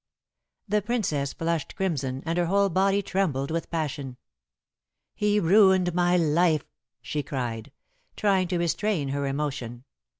The Princess flushed crimson, and her whole body trembled with passion. "He ruined my life," she cried, trying to restrain her emotion.